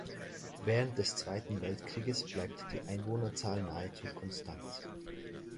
Während des Zweiten Weltkrieges bleibt die Einwohnerzahl nahezu konstant.